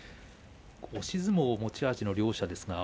押し相撲が持ち味の両者です。